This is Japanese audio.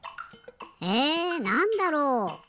えなんだろう？